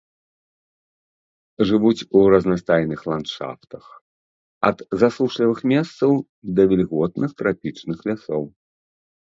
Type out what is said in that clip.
Жывуць у разнастайных ландшафтах, ад засушлівых месцаў да вільготных трапічных лясоў.